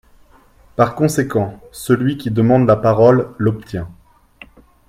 Par conséquent, celui qui demande la parole l’obtient.